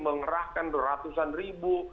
mengerahkan beratusan ribu